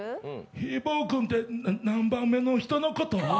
ひーぼぉくんって何番目の人のこと？